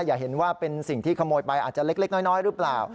อย่าเห็นว่าเป็นสิ่งที่ขโมยไปอาจจะเล็กน้อยหรือเปล่า